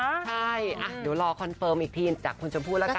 ใช่เดี๋ยวรอคอนเฟิร์มอีกทีจากคุณชมพู่ละกัน